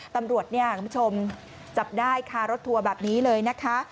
ตำรวจเนี่ยคุณผู้ชมจับได้คารถทัวร์แบบนี้เลยนะคะ